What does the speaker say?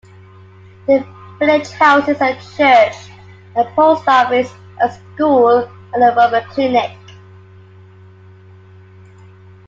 The village houses a church, a post office, a school, and a rural clinic.